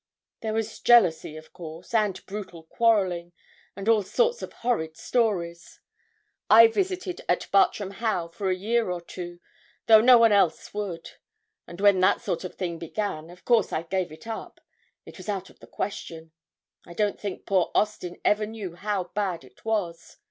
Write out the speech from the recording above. There was jealousy, of course, and brutal quarrelling, and all sorts of horrid stories. I visited at Bartram Haugh for a year or two, though no one else would. But when that sort of thing began, of course I gave it up; it was out of the question. I don't think poor Austin ever knew how bad it was.